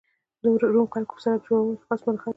د روم خلکو په سړک جوړونه کې خاص مهارت درلود